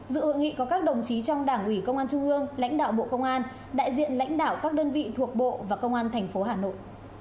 dự hội nghị có các đồng chí trong đảng ủy công an trung ương lãnh đạo bộ công an đại diện lãnh đạo các đơn vị thuộc bộ và công an tp hà nội